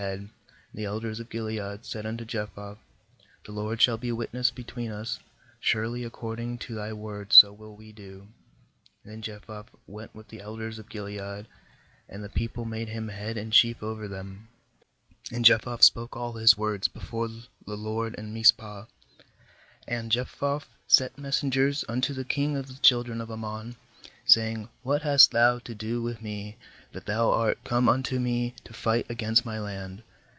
10And the elders of Gilead said unto Jephthah: 'The LOUD shall be wit ness between us; surely according to thy word so will we do/ uThen Jephthah went with the elders of Gilead, and the people made him head and chief over them; and Jephthah spoke all his words before the LOED in Mizpah. ^And Jephthah sent messengers un to the long of the children of Ammon, saying: 'What hast thou to do with me, that thou art come unto me to fight against my land?'